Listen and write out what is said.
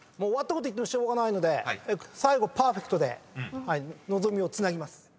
終わったこと言ってもしょうがないので最後パーフェクトで望みをつなぎます。